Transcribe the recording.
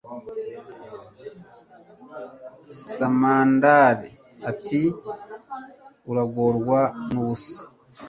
samandari ati uragorwa n'ubusa